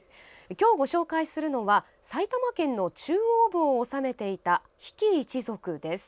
今日ご紹介するのは埼玉県の中央部を治めていた比企一族です。